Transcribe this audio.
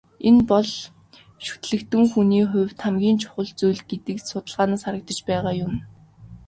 Энэ бол шүтлэгтэн хүний хувьд хамгийн чухал зүйл гэдэг нь судалгаанаас харагдаж байгаа юм.